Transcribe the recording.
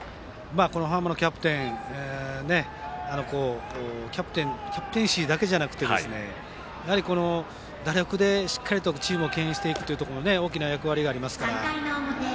浜野キャプテンキャプテンシーだけではなくて打力でしっかりチームをけん引していくという大きな役割がありますから。